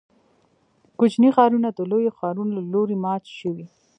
کوچني ښارونه د لویو ښارونو له لوري مات شوي.